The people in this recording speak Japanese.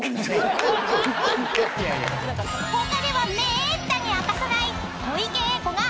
［他ではめったに明かさない小池栄子が］